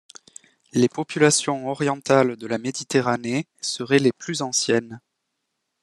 Les populations orientales de la Méditerranée seraient les plus anciennes.